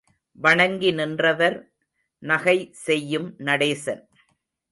வணங்கி நின்றவர், நகை செய்யும் நடேசன்.